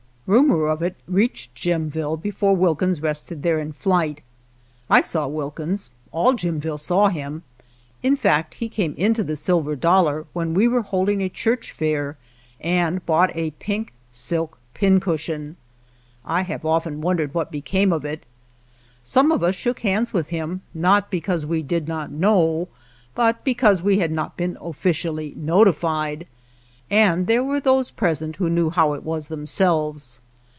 Rumor of it reached Jim ville before Wilkins rested there in flight. I saw Wilkins, all Jimville saw him ; in fact, he came into the Silver Dollar when we were holding a church fair and bought a pink silk pincushion. I have often 115 JIMVILLE wondered what became of it. Some of us shook hands with him, not because we did not know, but because we had not been ofificially notified, and there were those present who knew how it was themselves.